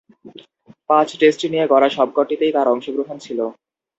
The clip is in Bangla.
পাঁচ-টেস্ট নিয়ে গড়া সবকটিতেই তার অংশগ্রহণ ছিল।